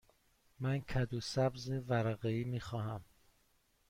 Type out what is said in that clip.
من کدو سبز ورقه ای می خواهم.